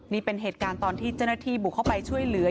นี่เป็นเหตุการณ์ตอนที่เจ้าหน้าที่บุกเข้าไปช่วยเหลือ